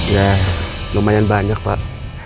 ya lumayan banyak pak